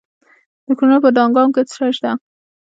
د کونړ په دانګام کې څه شی شته؟